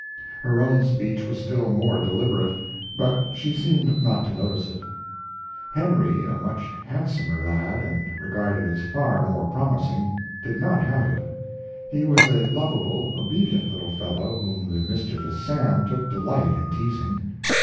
Her own speech was still more deliberate, but she seemed not to notice it. Henry a much handsomer lad and regarded as far more promising did not have it. He was a lovable, obedient little fellow whom the mischievous Sam took delight in teasing.